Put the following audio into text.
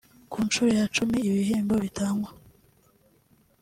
Ku nshuro ya cumi ibi bihembo bitangwa